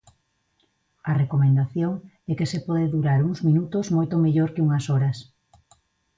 A recomendación é que se pode durar uns minutos moito mellor que unhas horas.